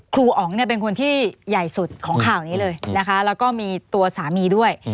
อ๋องเนี่ยเป็นคนที่ใหญ่สุดของข่าวนี้เลยนะคะแล้วก็มีตัวสามีด้วย